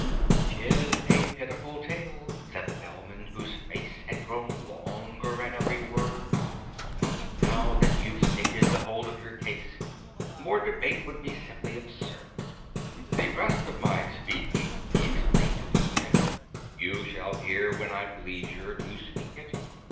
"'Tis a pitiful tale," said the Bellman, whose face Had grown longer at every word: "But, now that you've stated the whole of your case, More debate would be simply absurd. "The rest of my speech" (he explained to his men) "You shall hear when I've leisure to speak it.